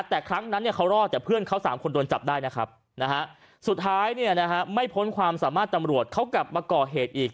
แต่ครั้งนั้นเขารอดแต่เพื่อนเขา๓คนโดนจับได้นะครับสุดท้ายไม่พ้นความสามารถตำรวจเขากลับมาก่อเหตุอีก